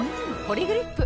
「ポリグリップ」